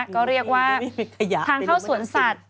ก็เรียกว่าทางเข้าสวนสัตว์